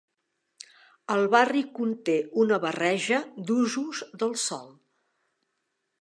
El barri conté una barreja d'usos del sòl.